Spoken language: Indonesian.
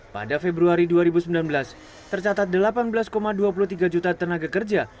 pada februari dua ribu sembilan belas tercatat delapan belas dua puluh tiga juta tenaga kerja